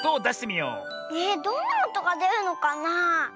えどんなおとがでるのかなあ。